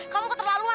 coba kita pergi dulu